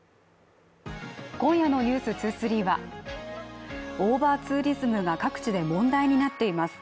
今夜の「ｎｅｗｓ２３」はオーバーツーリズムが各地で問題になっています